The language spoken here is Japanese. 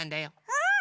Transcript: うん！